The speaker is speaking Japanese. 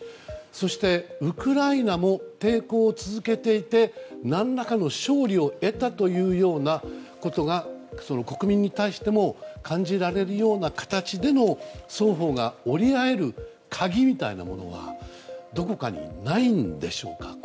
そして、ウクライナも抵抗を続けていて何らかの勝利を得たというようなことが国民に対しても感じられるような形での双方が折り合える鍵みたいなものはどこかにないんでしょうか？